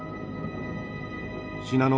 信濃